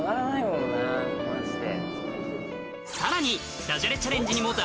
マジで。